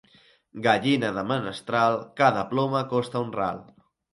Gallina de menestral, cada ploma costa un ral.